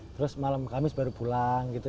terus malam kamis baru pulang gitu